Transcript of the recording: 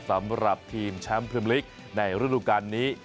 สำหรับทีมแชมป์เพื่อมลิกในรุ่นลูกการณ์นี้